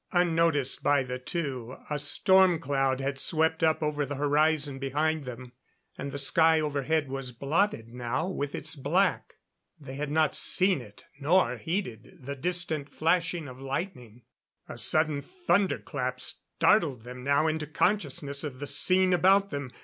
Unnoticed by the two, a storm cloud had swept up over the horizon behind them, and the sky overhead was blotted now with its black. They had not seen it nor heeded the distant flashing of lightning. A sudden thunderclap startled them now into consciousness of the scene about them.